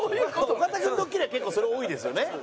尾形君ドッキリは結構それ多いですよね。